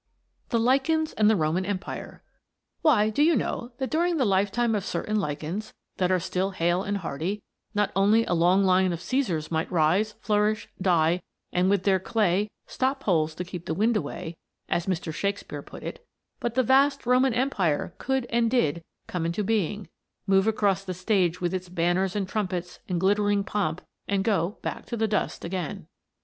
THE LICHENS AND THE ROMAN EMPIRE Why, do you know that during the lifetime of certain lichens that are still hale and hearty, not only a long line of Cæsars might rise, flourish, die, and, with their clay, stop holes to keep the wind away, as Mr. Shakespere put it, but the vast Roman Empire could and did come into being, move across the stage with its banners and trumpets and glittering pomp and go back to the dust again.